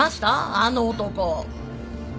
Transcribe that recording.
あの男。